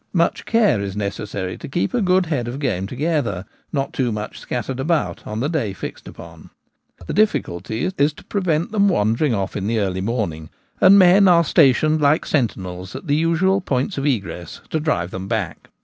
Much care is necessary to keep a good head of game together, not too much scattered about on the day fixed upon. The difficulty is to prevent them from wandering off in the early morning ; and men are stationed like sentinels at the usual points of 46 The Gamekeeper at Home. egress to drive them back.